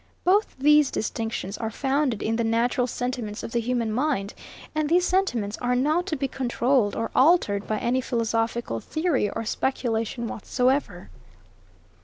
Both these distinctions are founded in the natural sentiments of the human mind: And these sentiments are not to be controuled or altered by any philosophical theory or speculation whatsoever.